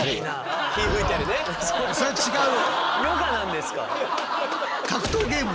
それ違う！